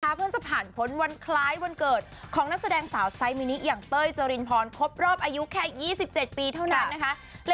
เพิ่งจะผ่านพ้นวันคล้ายวันเกิดของนักแสดงสาวไซส์มินิอย่างเต้ยเจรินพรครบรอบอายุแค่๒๗ปีเท่านั้นนะคะ